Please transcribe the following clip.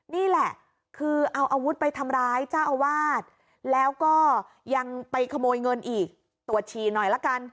นี่แหละคือเอาอาวุธไปทำร้ายเจ้าอาวาสแล้วก็ยังไปขโมยเงินอีกตรวจฉี่หน่อยละกัน